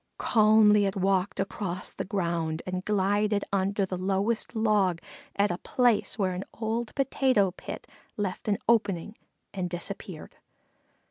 Calmly it walked across the ground and glided under the lowest log at a place where an old potato pit left an opening and disappeared.